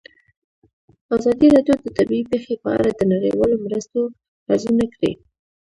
ازادي راډیو د طبیعي پېښې په اړه د نړیوالو مرستو ارزونه کړې.